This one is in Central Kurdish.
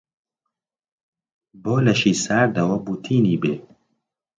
بۆ لەشی ساردەوە بوو تینێ بێ؟